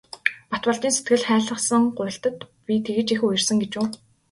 Батболдын сэтгэл хайлгасан гуйлтад би тэгж их уярсан гэж үү.